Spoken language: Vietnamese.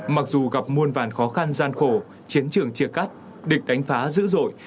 mặc dù gặp muôn vàn khó khăn gian khổ chiến trường chia cắt địch đánh phá dữ dội